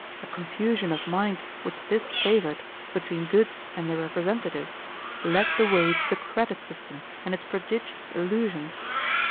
The confusion of mind which this favored, between goods and their representative, led the way to the credit system and its prodigious illusions.